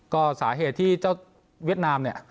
ก็สาเหตุที่เจ้าเวียดนามเนี่ย